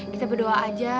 kita berdoa aja